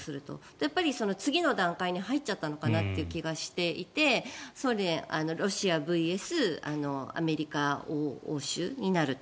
やっぱり次の段階に入っちゃったのかなという気がしていてロシアＶＳアメリカ、欧州になると。